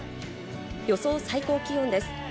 予想最高気温です。